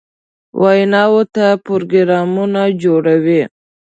ویناوو ته پروګرامونه جوړوي.